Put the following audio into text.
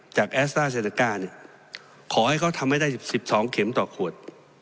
จากแอสตาร์เซนเก้าเนี่ยขอให้เขาทำให้ได้สิบสองเข็มต่อขวด